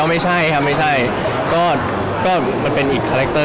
มันจะแซ่บกว่านี้มาก